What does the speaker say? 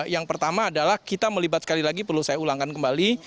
yang pertama adalah kita melibat sekali lagi perlu saya ulangkan kembali